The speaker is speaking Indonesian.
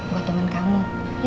buat temen kamu